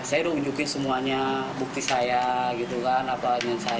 saya udah nunjukin semuanya bukti saya gitu kan